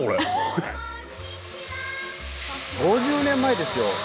５０年前ですよ。